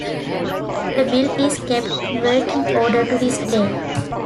The mill is kept in working order to this day.